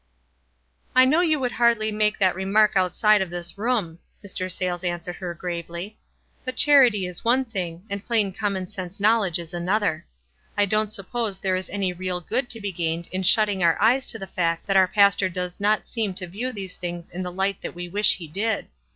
"I know you would hardly make that remark outside of this room," Mr. Snyles answered her, gravely. "But charity is one thing, and plain common sense knowledge is another. I don't suppose there is any real good to be gained in shutting our eyes to the fact that our pastor does not seem to view these things in the light that we wish he did.